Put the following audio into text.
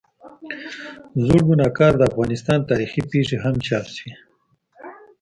زړوګناهکار، د افغانستان تاریخي پېښې هم چاپ شوي.